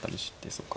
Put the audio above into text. そうか。